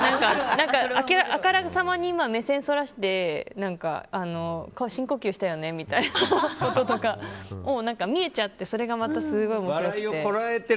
あからさまに目線をそらして深呼吸したよねみたいなこととか見えちゃってそれがまたすごい面白くて。